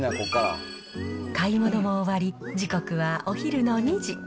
買い物も終わり、時刻はお昼の２時。